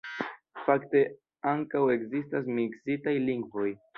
Fakte ankaŭ ekzistas miksitaj lingvoj.